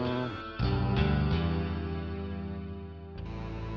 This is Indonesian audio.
murad sama firman sakhpitra